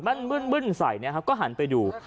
เบ้นหันไปดู